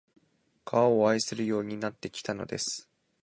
川を愛するようになってきたのです